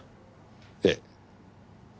ええ。